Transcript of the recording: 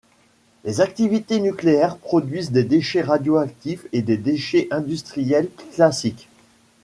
Les activités nucléaires produisent des déchets radioactifs et des déchets industriels classiques.